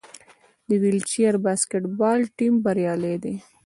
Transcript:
د ویلچیر باسکیټبال ټیم بریالی دی.